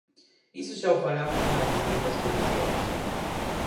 Iso xa o falamos nas distintas comisións.